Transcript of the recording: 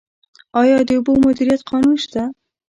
آیا د اوبو مدیریت قانون شته؟